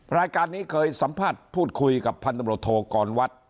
รายการนี้เคยสัมภาษณ์พูดคุยกับพันธมรตโทกรวัตร